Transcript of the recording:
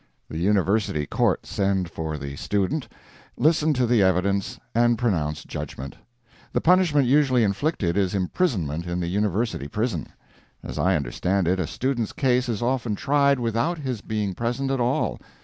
The University court send for the student, listen to the evidence, and pronounce judgment. The punishment usually inflicted is imprisonment in the University prison. As I understand it, a student's case is often tried without his being present at all.